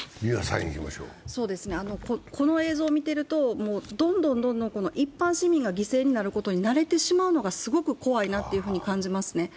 この映像を見ていると、どんどん一般市民が犠牲になることに慣れることはすごく怖いなと感じますね。